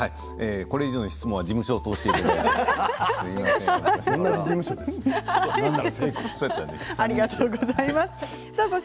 これ以上の質問は事務所を通していただいて。